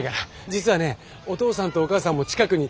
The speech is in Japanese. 実はねお父さんとお母さんも近くに。